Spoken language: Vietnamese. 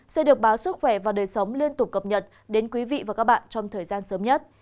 sẽ được báo sức khỏe và đời sống liên tục cập nhật đến quý vị và các bạn trong thời gian sớm nhất